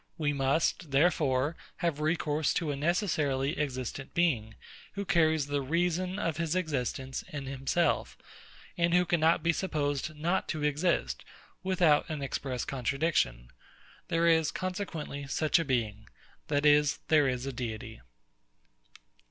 We must, therefore, have recourse to a necessarily existent Being, who carries the REASON of his existence in himself, and who cannot be supposed not to exist, without an express contradiction. There is, consequently, such a Being; that is, there is a Deity.